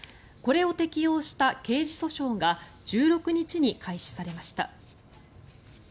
これを適用した刑事訴訟が１６日に開始されました。